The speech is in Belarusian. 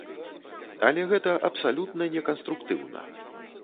Але гэта абсалютна неканструктыўна.